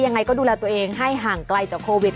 ยังไงก็ดูแลตัวเองให้ห่างไกลจากโควิด